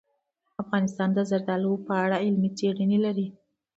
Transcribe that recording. افغانستان د زردالو په اړه علمي څېړنې لري.